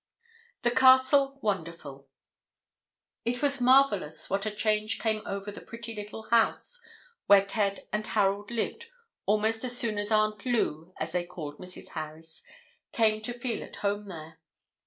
THE CASTLE WONDERFUL. [Illustration: 9054] It was marvellous what a change came over the pretty little house where Ted and Harold lived almost as soon as Aunt Lou, as they called Mrs. Harris, came to feel at home there.